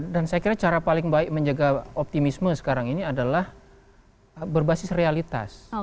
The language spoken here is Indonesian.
dan saya kira cara paling baik menjaga optimisme sekarang ini adalah berbasis realitas